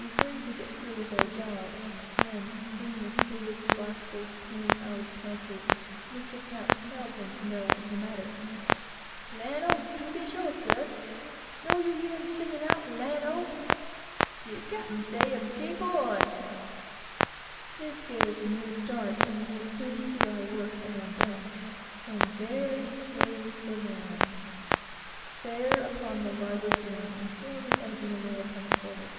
We hurried to get through with our job, when, seeing the steward's black face peering out of the pantry, Mr. H hailed him, to know what was the matter. "Lan' o, to be sure, sir! No you hear 'em sing out, 'Lan' o?' De cap'em say 'im Cape Horn!" This gave us a new start, and we were soon through our work, and on deck; and there lay the land, fair upon the larboard beam, and slowly edging away upon the quarter.